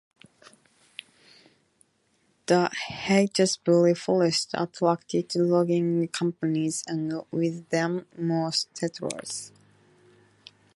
The Heytesbury Forest attracted logging companies and with them more settlers.